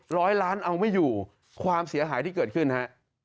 ร้อยล้านเอาไม่อยู่ความเสียหายที่เกิดขึ้นฮะ